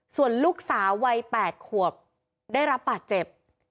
ส่วนลูกสาววัย๘ขวบได้รับบาดเจ็บ